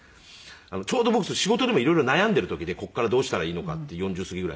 ちょうど僕仕事でも色々悩んでいる時でここからどうしたらいいのかって４０過ぎぐらいの時に。